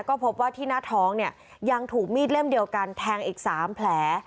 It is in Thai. ก็พบว่าที่หน้าท้องเนี่ยยังถูกมีดเล่มเดียวกันแทงอีก๓แผล